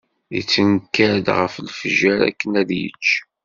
Yettenkar-d ɣef lefjer akken ad yečč.